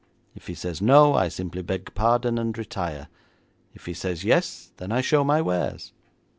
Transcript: If he says no, I simply beg pardon and retire. If he says yes, then I show my wares.'